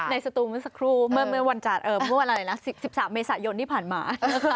ในสตูเหมือนสักครู่เมื่อวันจาดเมื่อวันอะไรนะ๑๓เมษายนที่ผ่านมา